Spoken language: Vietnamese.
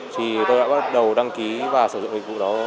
thì tôi đã bắt đầu đăng ký và sử dụng dịch vụ đó